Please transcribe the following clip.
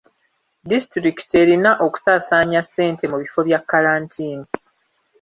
Disitulikiti erina okusaasaanya ssente mu bifo bya kalantiini.